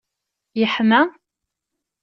Yeḥma?